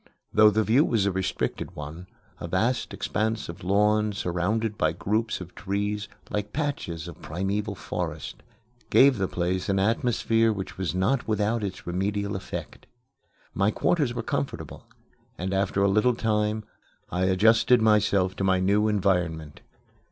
Though the view was a restricted one, a vast expanse of lawn, surrounded by groups of trees, like patches of primeval forest, gave the place an atmosphere which was not without its remedial effect. My quarters were comfortable, and after a little time I adjusted myself to my new environment.